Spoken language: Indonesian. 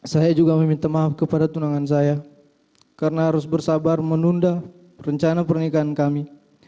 saya juga meminta maaf kepada tunangan saya karena harus bersabar menunda rencana pernikahan kami